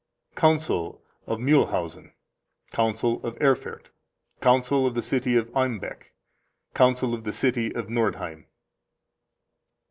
Council of Muehlhausen. Council of Erfurt. Council of the City of Eimbeck. Council of the City of Nordheim.